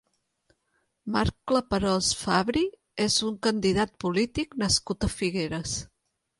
Marc Claparols Fabri és un candidat polític nascut a Figueres.